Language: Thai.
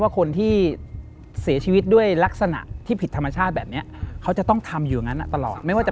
คุณแจ๊บคิดหน่อยดีว่า